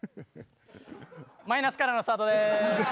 マイナスからのスタートです。